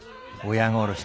親殺し。